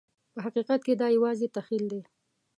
په حقیقت کې دا یوازې تخیل دی.